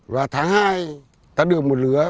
và tháng hai ta được một lứa